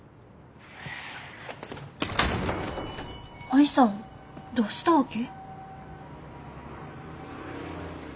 愛さんどうしたわけ？